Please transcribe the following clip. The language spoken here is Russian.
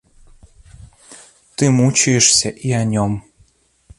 Ты мучаешься и о нем.